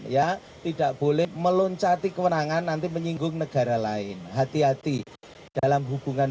ya tidak boleh meloncati kewenangan nanti menyinggung negara lain hati hati dalam hubungan